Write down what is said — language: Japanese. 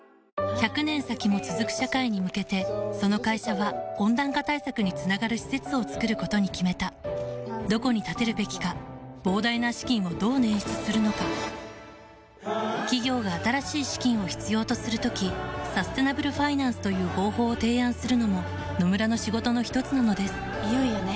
１００年先も続く社会に向けてその会社は温暖化対策につながる施設を作ることに決めたどこに建てるべきか膨大な資金をどう捻出するのか企業が新しい資金を必要とする時サステナブルファイナンスという方法を提案するのも野村の仕事のひとつなのですいよいよね。